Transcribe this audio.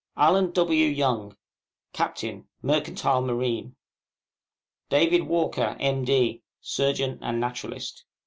ALLEN W. YOUNG, Captain, Mercantile Marine. DAVID WALKER, M.D., Surgeon and Naturalist.